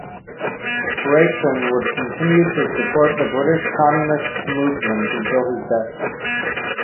Strachan would continue to support the British communist movement until his death.